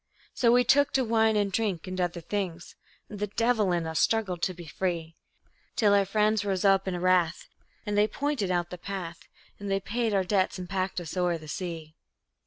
So we took to wine and drink and other things, And the devil in us struggled to be free; Till our friends rose up in wrath, and they pointed out the path, And they paid our debts and packed us o'er the sea.